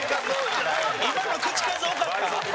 今の口数多かった？